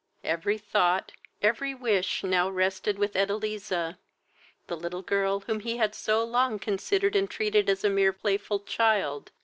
Every thought, every wish now rested with Edeliza, the little girl whom he had so long considered and treated as a mere playful child.